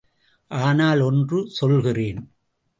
ஆனால் ஒன்று சொல்கிறேன்.